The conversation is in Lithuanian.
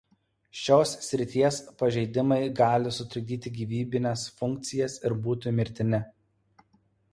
Šios srities pažeidimai gali sutrikdyti gyvybines funkcijas ir būti mirtini.